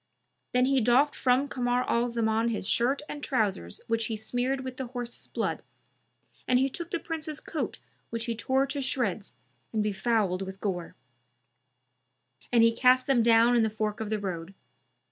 Then he doffed from Kamar al Zaman his shirt and trousers which he smeared with the horse's blood and he took the Prince's coat which he tore to shreds and befouled with gore; and he cast them down in the fork of the road.